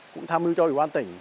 cũng tham mưu cho ủy ban tỉnh